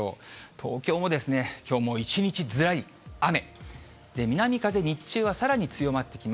東京もきょうも一日ずらり雨、南風、日中はさらに強まってきま